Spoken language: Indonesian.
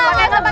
aku mau ke sana